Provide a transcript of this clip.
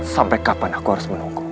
sampai kapan aku harus menunggu